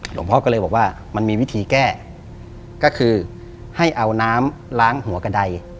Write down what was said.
หลวงพ่อก็เลยบอกว่ามันมีวิธีแก้ก็คือให้เอาน้ำล้างหัวกระดาย